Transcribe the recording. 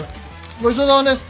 ごちそうさまです。